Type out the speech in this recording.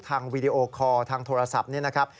วีดีโอคอร์ทางโทรศัพท์นี่นะครับ